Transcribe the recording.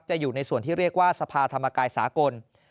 อยู่ในส่วนที่เรียกว่าสภาธรรมกายสากล